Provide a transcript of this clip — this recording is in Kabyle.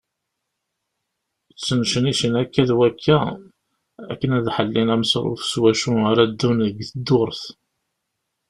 Ttnecnicen akka d wakka akken ad ḥellin amesruf s wacu ara ddun deg ddurt.